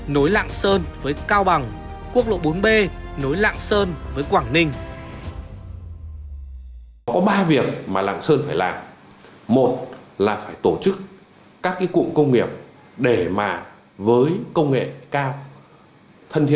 nối lạng sơn với cao bằng quốc lộ bốn b nối lạng sơn với quảng ninh